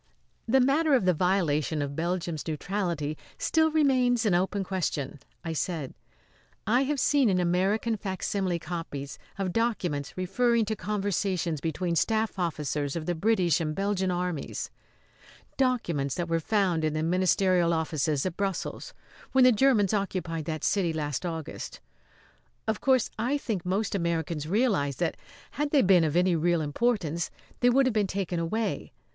"The matter of the violation of Belgium's neutrality still remains an open question," I said. "I have seen in American facsimile copies of documents referring to conversations between staff officers of the British and Belgian armies documents that were found in the ministerial offices at Brussels when the Germans occupied that city last August. Of course I think most Americans realise that, had they been of any real importance, they would have been taken away.